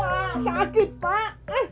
aduh pak sakit pak